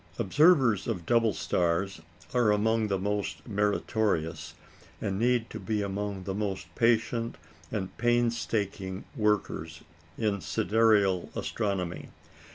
Observers of double stars are among the most meritorious, and need to be among the most patient and painstaking workers in sidereal astronomy.